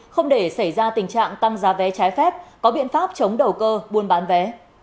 không để xảy ra tình trạng tăng giá vé trái phép có biện pháp chống đầu cơ buôn bán vé